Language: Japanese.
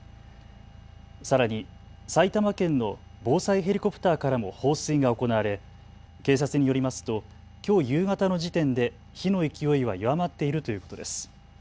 さらに埼玉県の防災ヘリコプターからも放水が行われ警察によりますと、きょう夕方の時点で火の勢いは弱まっているということです。